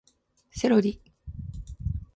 セロリ